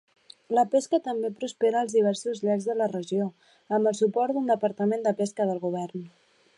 La pesca també prospera als diversos llacs de la regió, amb el suport d'un departament de pesca del govern.